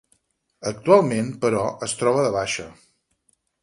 Actualment, però, es troba de baixa.